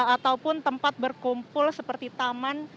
ataupun tempat berkumpul seperti taman